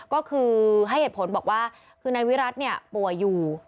ก็คือให้เหตุผลบอกว่าคือนายวิรัติป่วยอยู่